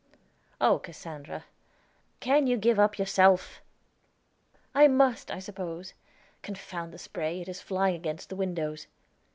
"Oh, Cassandra, can you give up yourself?" "I must, I suppose. Confound the spray; it is flying against the windows."